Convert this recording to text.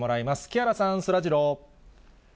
木原さん、そらジロー。